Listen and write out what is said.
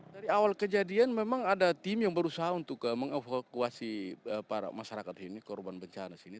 dari awal kejadian memang ada tim yang berusaha untuk mengevakuasi para masyarakat sini korban bencana sini